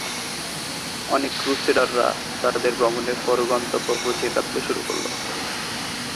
অনেক ক্রুসেডাররা তাদের এত ভ্রমণের পর গন্তব্যে পৌঁছে কাঁদতে শুরু করলো।